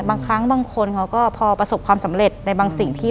หลังจากนั้นเราไม่ได้คุยกันนะคะเดินเข้าบ้านอืม